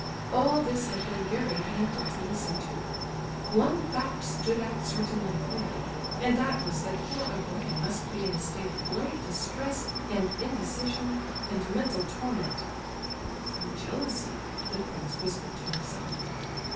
All this had been very painful to listen to. One fact stood out certain and clear, and that was that poor Aglaya must be in a state of great distress and indecision and mental torment ("from jealousy," the prince whispered to himself).